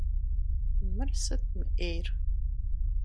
Мыр сыт мы Ӏейр?